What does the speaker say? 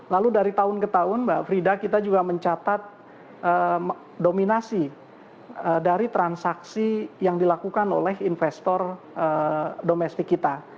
lalu dari tahun ke tahun mbak frida kita juga mencatat dominasi dari transaksi yang dilakukan oleh investor domestik kita